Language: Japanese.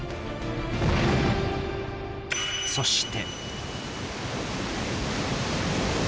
そして。